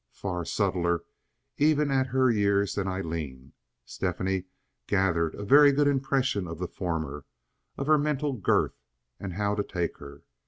Far subtler, even at her years, than Aileen, Stephanie gathered a very good impression of the former, of her mental girth, and how to take her.